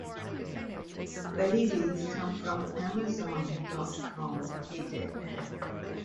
"Babies come from amazon.com," he deadpanned.